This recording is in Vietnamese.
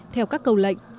theo các câu lệnh